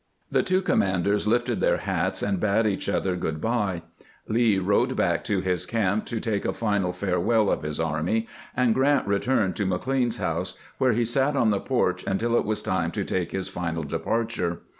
The two commanders lifted their hats and bade each other good by. Lee rode back to his camp to take a final farewell of his army, and Grant returned to McLean's house, where he sat on the porch until it was time to take his final departure.